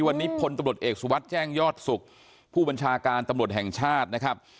วันนี้พลตำรวจเอกสุวัสดิ์แจ้งยอดสุขผู้บัญชาการตำรวจแห่งชาตินะครับ